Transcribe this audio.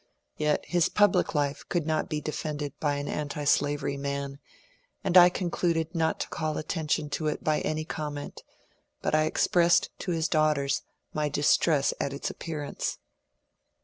Yet his public life could not be de fended by an antislavery man, and I concluded not to call attention to it by any comment; but I expressed to his daughters my distress at its appearance.